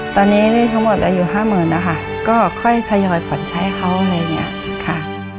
ตอนนี้ทั้งหมดอายุห้าหมื่นแล้วค่ะก็ค่อยทยอยฝันใช้เขาอะไรอย่างนี้ค่ะ